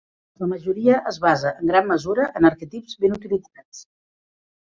La majoria es basa en gran mesura en arquetips ben utilitzats.